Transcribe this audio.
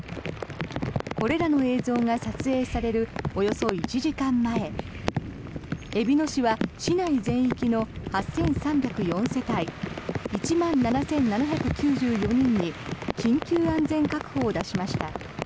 これらの映像が撮影されるおよそ１時間前えびの市は市内全域の８３０４世帯１万７７９４人に緊急安全確保を出しました。